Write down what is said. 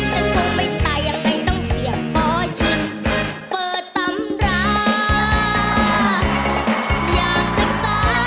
ฉันคงไม่ตายยังไงต้องเสี่ยงขอชิมเปิดตำราอยากศึกษา